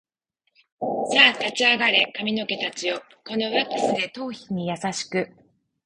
さあ立ち上がれ髪の毛たちよ、このワックスで頭皮に優しく